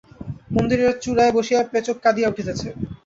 মন্দিরের চূড়ায় বসিয়া পেচক কাঁদিয়া উঠিতেছে।